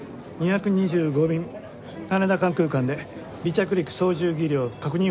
２２５便羽田関空間で離着陸操縦技量確認